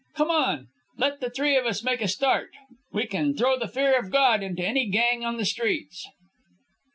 Come on. Let the three of us make a start. We can throw the fear of God into any gang on the streets."